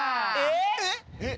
えっ？